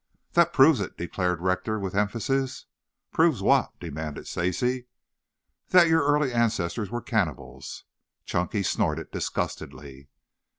"That proves it," declared Rector with emphasis. "Proves what?" demanded Stacy. "That your early ancestors were cannibals." Chunky snorted disgustedly.